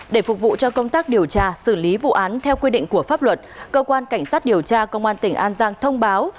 để phục vụ cho công tác điều tra xử lý vụ án theo quy định của pháp luật cơ quan cảnh sát điều tra công an tỉnh an giang thông báo